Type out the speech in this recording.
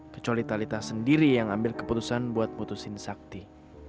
kecuali talitha sendiri yang ambil keputusan buat putusin sakti